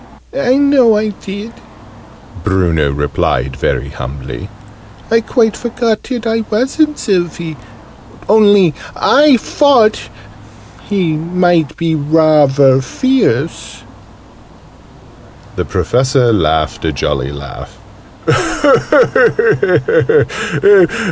"I know I did," Bruno replied very humbly. "I quite forgotted I wasn't Sylvie. Only I fought he might be rarver fierce!" The Professor laughed a jolly laugh.